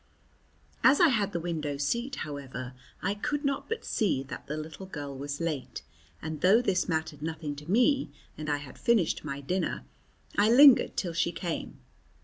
As I had the window seat, however, I could not but see that the little girl was late, and though this mattered nothing to me and I had finished my dinner, I lingered till she came.